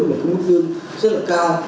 với một cung cấp dương rất là cao